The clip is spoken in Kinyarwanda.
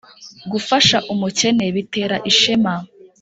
gufasha umukene bitera ishema